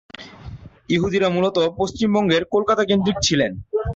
ইহুদিরা মূলত পশ্চিমবঙ্গের কলকাতা কেন্দ্রিক ছিলেন।